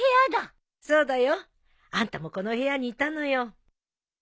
そうだよ。あんたもこの部屋にいたのよ。